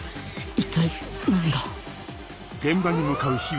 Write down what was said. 一体何が